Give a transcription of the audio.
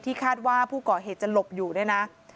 ที่คาดว่าผู้ก่อเหตุจะหลบอยู่ด้วยนะ